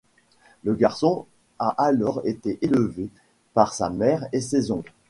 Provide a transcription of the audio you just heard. Le garçon a alors été élevé par sa mère et ses oncles.